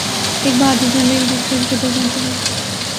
ایک بہادر جرنیل دوسرے کی قدر جانتا ہے